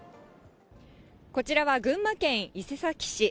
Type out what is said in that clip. こちらは群馬県伊勢崎市。